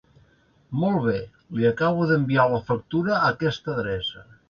Molt bé, li acabo d'enviar la factura a aquesta adreça.